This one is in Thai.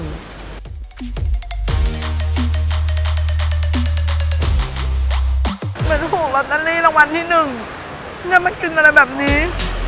เหมือนถูกรอเตอรี่รางวัลที่หนึ่งจะมากินอะไรแบบนี้